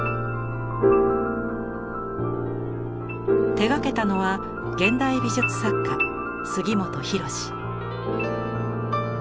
手がけたのは現代美術作家杉本博司。